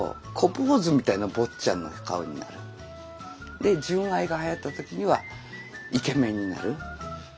で純愛がはやった時にはイケメンになる。